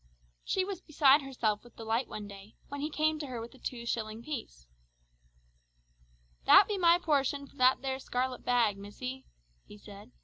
She was beside herself with delight one day, when he came to her with a two shilling piece. "That be my portion for that there scarlet bag, missy," he said.